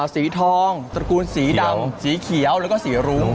สีทองตระกูลสีดำสีเขียวแล้วก็สีรุ้ง